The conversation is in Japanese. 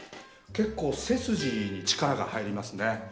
結構背筋に力が入りますね。